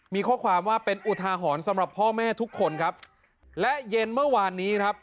มีข้อความว่าเป็นอุทาหรณ์สำหรับพ่อแม่ทุกคนครับและเย็นเมื่อวานนี้ครับ